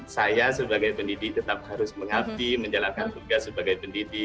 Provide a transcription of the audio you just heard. saya sebagai pendidik tetap harus mengabdi menjalankan tugas sebagai pendidik